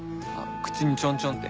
口にちょんちょんって。